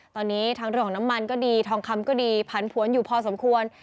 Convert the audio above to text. ตอนนี้ทั้งเรื่องของน้ำมันก็ดีทองคำก็ดีผันผวนอยู่พอสมควร